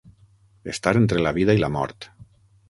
Estar entre la vida i la mort.